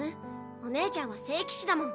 お姉ちゃんは聖騎士だもん。